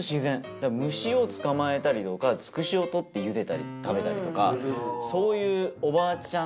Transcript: だから虫を捕まえたりとかつくしを採ってゆでたり食べたりとかそういうおばあちゃん